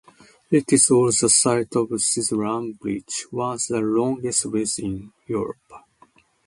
It is also the site of Syzran Bridge, once the longest bridge in Europe.